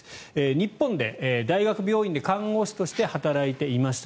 日本で大学病院で看護師として働いていました。